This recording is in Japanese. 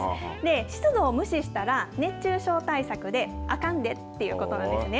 湿度を無視したら熱中症対策であかんでということなんですね。